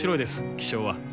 気象は。